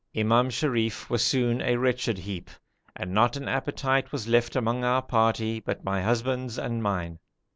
Imam Sharif was soon a wretched heap, and not an appetite was left among our party but my husband's and mine.